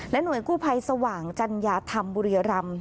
หน่วยกู้ภัยสว่างจัญญาธรรมบุรีรำ